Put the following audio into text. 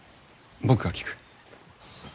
僕が聞く。